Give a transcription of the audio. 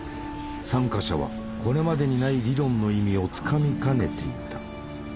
参加者はこれまでにない理論の意味をつかみかねていた。